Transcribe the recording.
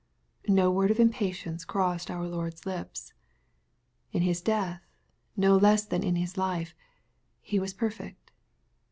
No word of impatience crossed our Lord's lips. In His death, no less than in Eis life, he was perfect.